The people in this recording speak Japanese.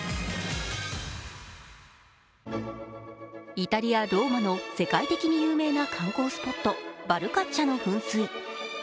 イタリア・ローマの世界的に有名な観光スポットバルカッチャの噴水。